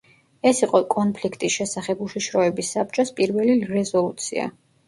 ეს იყო კონფლიქტის შესახებ უშიშროების საბჭოს პირველი რეზოლუცია.